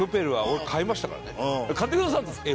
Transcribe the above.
買ってくださったんですか？